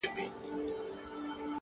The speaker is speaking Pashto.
وخت د ارمانونو ازموینوونکی دی.!